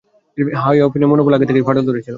হাওয়াযিনের মনোবলে আগে থেকেই ফাটল ধরেছিল।